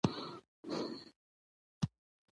د خپل حق په غوښتلو کښي هېڅ ځنډ مه کوئ!